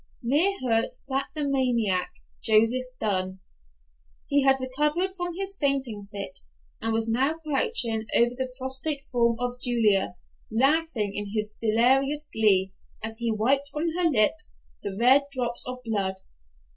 Near her sat the maniac, Joseph Dunn. He had recovered from his fainting fit, and was now crouching over the prostrate form of Julia, laughing in delirious glee, as he wiped from her lips the red drops of blood!